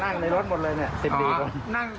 นั่งในรถหมดเลย๑๔คน